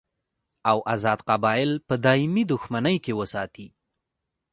او ازاد قبایل په دایمي دښمنۍ کې وساتي.